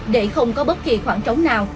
để không có bất kỳ khoảng trống nào